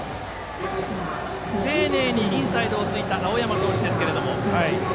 丁寧にインサイドをついた青山投手ですが。